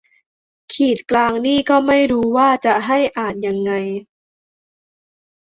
ขีดกลางนี่ก็ไม่รู้ว่าจะให้อ่านยังไง